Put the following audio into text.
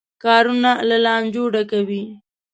کارونه له لانجو ډکوي.